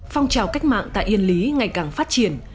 phong trào cách mạng tại yên lý ngày càng phát triển